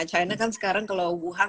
china kan sekarang kalau wuhan